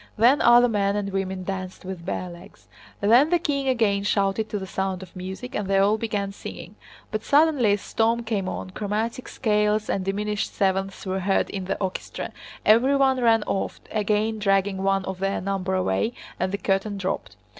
Then other men and women danced with bare legs. Then the king again shouted to the sound of music, and they all began singing. But suddenly a storm came on, chromatic scales and diminished sevenths were heard in the orchestra, everyone ran off, again dragging one of their number away, and the curtain dropped.